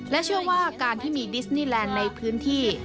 เชื่อว่าการที่มีดิสนีแลนด์ในพื้นที่